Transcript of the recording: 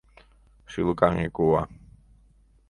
— шӱлыкаҥе кува